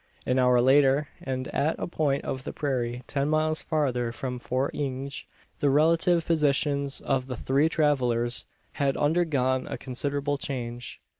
An hour later, and at a point of the prairie ten miles farther from Fort Inge, the relative positions of the three travellers had undergone a considerable change.